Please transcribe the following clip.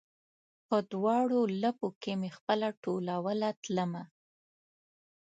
په دواړ ولپو کې مې خپله ټولوله تلمه